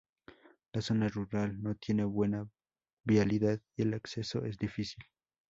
La zona rural no tiene buena vialidad y el acceso es difícil.